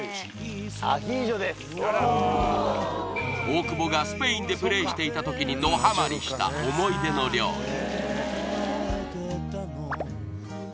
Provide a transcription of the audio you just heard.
大久保がスペインでプレイしていた時にどハマリした思い出の料理